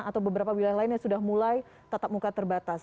atau beberapa wilayah lainnya sudah mulai tetap muka terbatas